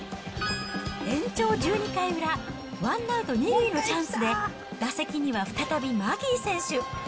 延長１２回裏、ワンアウト２塁のチャンスで打席には再びマギー選手。